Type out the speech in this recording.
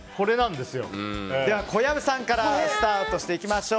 では、小籔さんからスタートしていきましょう。